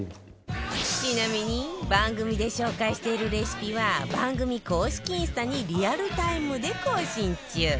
ちなみに番組で紹介しているレシピは番組公式インスタにリアルタイムで更新中